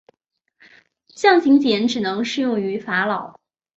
象形茧只能适用于法老。